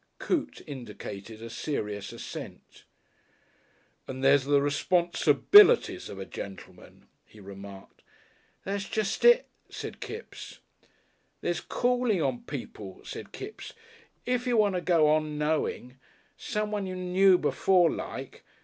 Coote indicated a serious assent. "And there's the responsibilities of a gentleman," he remarked. "That's jest it," said Kipps. "There's calling on people," said Kipps. "If you want to go on knowing Someone you knew before like.